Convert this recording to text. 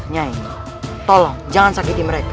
nyai tolong jangan sakiti mereka